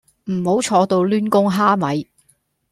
唔好坐到攣弓蝦米